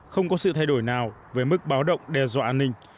không có sự thay đổi nào với mức báo động đe dọa an ninh